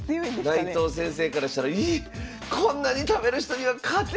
内藤先生からしたらこんなに食べる人には勝てないよ。